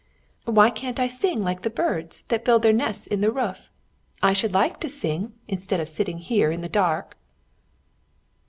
"Why can't I sing like the birds that build their nests in the roof? I should like to sing, instead of sitting here in the dark."